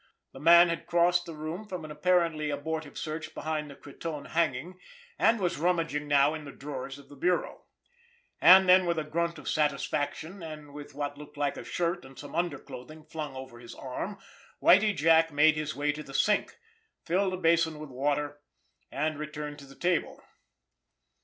The man had crossed the room from an apparently abortive search behind the cretonne hanging, and was rummaging now in the drawers of the bureau. And then, with a grunt of satisfaction, and with what looked like a shirt and some underclothing flung over his arm, Whitie Jack made his way to the sink, filled a basin with water, and returned to the table.